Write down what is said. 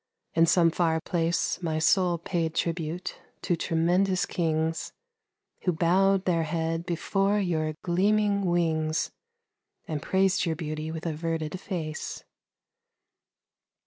in some far place My soul paid tribute to tremendous kings, Who bowed their head before your gleaming wings And praised your beauty with averted face.